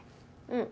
うん。